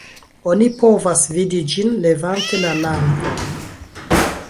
Oni povas vidi ĝin levante la langon.